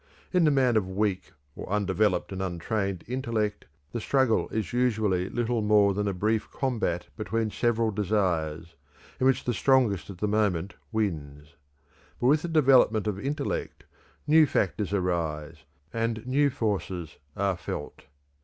In the man of weak or undeveloped and untrained intellect, the struggle is usually little more than a brief combat between several desires, in which the strongest at the moment wins. But with the development of intellect new factors arise and new forces are felt.